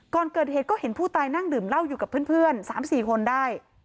ก่อนเกิดเหตุก็เห็นผู้ตายนั่งดื่มเล่าอยู่กับเพื่อนเพื่อนสามสี่คนได้